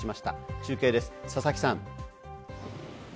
中継です、佐々木さん。